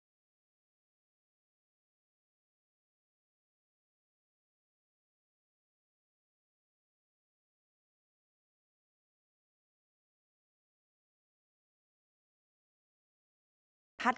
การเกลียดเต็มเกลียด